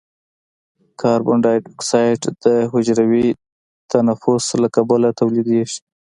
کاربن ډای اکساید د حجروي تنفس له کبله تولیدیږي.